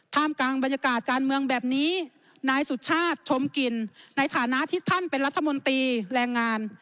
กลางบรรยากาศการเมืองแบบนี้นายสุชาติชมกลิ่นในฐานะที่ท่านเป็นรัฐมนตรีแรงงาน